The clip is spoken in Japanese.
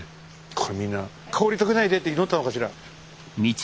これみんな氷解けないでって祈ったのかしら。